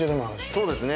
そうですね。